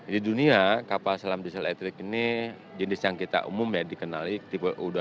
di dunia kapal selam diesel elektrik ini jenis yang kita umum ya dikenali tipe u dua ratus sembilan